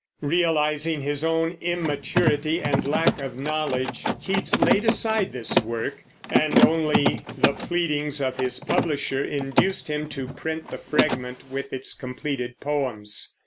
Realizing his own immaturity and lack of knowledge, Keats laid aside this work, and only the pleadings of his publisher induced him to print the fragment with his completed poems.